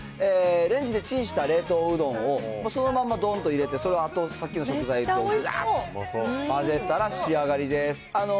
レンジでチンした冷凍うどんをそのままどーんと入れてそれとさっきの食材をがーっと混ぜたら仕上がりです。